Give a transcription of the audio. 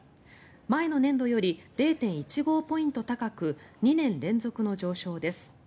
前の年度より０．１５ポイント高く２年連続の上昇です。